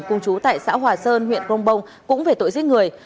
cùng chú tại xã hòa sơn huyện grongbong cũng về tội giết người